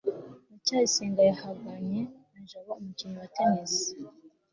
ndacyayisenga yahanganye na jabo umukino wa tennis